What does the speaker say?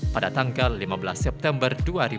pada tanggal lima belas september dua ribu dua puluh